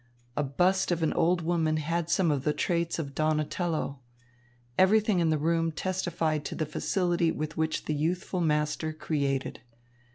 A bust of an old woman had some of the traits of Donatello. Everything in the room testified to the facility with which the youthful master created.